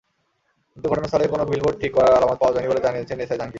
কিন্তু ঘটনাস্থলে কোনো বিলবোর্ড ঠিক করার আলামত পাওয়া যায়নি বলে জানিয়েছেন এসআই জাহাঙ্গীর।